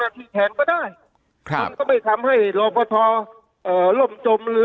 หน้าที่แข็งก็ได้ครับก็ไปทำให้โรงพศาสตร์เอ่อ